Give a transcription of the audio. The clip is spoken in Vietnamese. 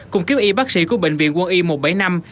cùng kiếp y bác sĩ của bệnh viện quân y một trăm bảy mươi năm